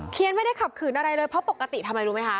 ไม่ได้ขับขืนอะไรเลยเพราะปกติทำไมรู้ไหมคะ